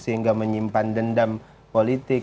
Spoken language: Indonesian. sehingga menyimpan dendam politik